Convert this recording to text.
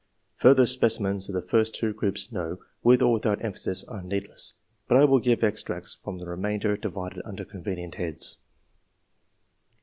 Further specimens of the first two groups *'no," with or without emphasis, are needless; but I will give extracts from the remainder, divided under convenient heads.